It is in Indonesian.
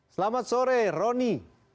selamat sore roni